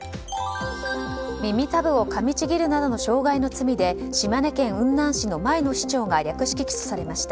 耳たぶをかみちぎるなどの傷害の罪で島根県雲南市の前の市長が略式起訴されました。